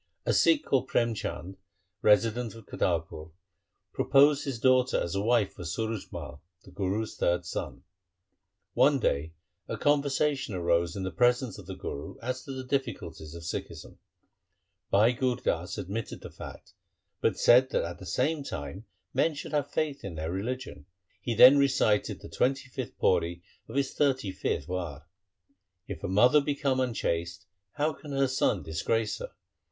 A Sikh called Prem Chand, resident of Kartarpur, proposed his daughter as a wife for Suraj Mai, the Guru's third son. One day a conversation arose in the presence of the Guru as to the difficulties of Sikhism. Bhai Gur Das admitted the fact, but said that at the same time men should have faith in their religion. He then recited the twentieth pauri of his thirty fifth War :— If a mother become unchaste, how can her son disgrace her